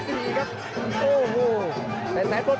มีหัวกรอบอาการครับ